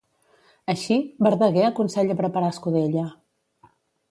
Així, Verdaguer aconsella preparar escudella.